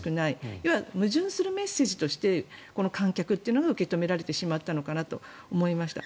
要は、矛盾するメッセージとしてこの観客というのが受け止められてしまったのかなと思いました。